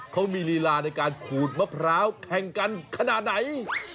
เขามีลีลาในการขูดมะพร้าวแข่งกันขนาดไหน